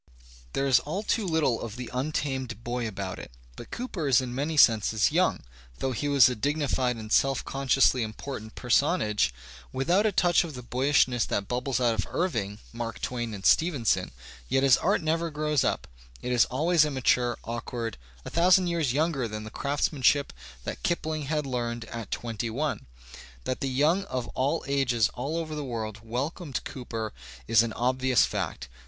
There is all too little of the untamed boy about it. But Cooper is in many senses "young." Though he was a dignified and self consciously important personage, 85 Digitized by Google 36 THE SPIRIT OF AMERICAN LITERATURE without a touch of the boyishness that bubbles out of Irving, Mark Twain, and Stevenson, yet his art never grows up: it is always immature, awkward, a thousand years yoimger than the craftsmanship that Kipling had learned at twenty one. That the young of all ages all over the world welcomed Cooper is an obvious fact.